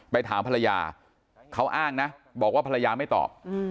ถามภรรยาเขาอ้างนะบอกว่าภรรยาไม่ตอบ